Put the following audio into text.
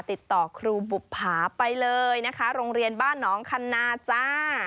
ติดต่อครูบุภาไปเลยนะคะโรงเรียนบ้านน้องคันนาจ้า